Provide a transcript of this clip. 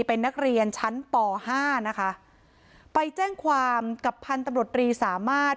เป็นนักเรียนชั้นปห้านะคะไปแจ้งความกับพันธุ์ตำรวจรีสามารถ